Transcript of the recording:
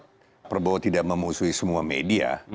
kalau prabowo tidak memusuhi semua media